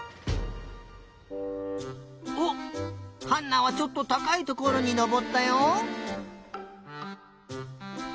おっハンナはちょっとたかいところにのぼったよ。